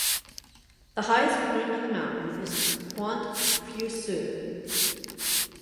The highest point on the mountain is "Pointe Puiseux".